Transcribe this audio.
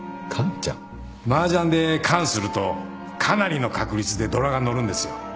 マージャンでカンするとかなりの確率でドラが乗るんですよ。